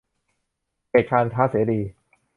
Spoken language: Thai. เขตการค้าเสรี